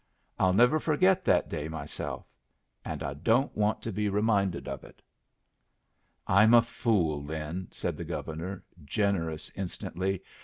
I'll never forget that day myself but I don't want to be reminded of it." "I'm a fool, Lin," said the Governor, generous instantly.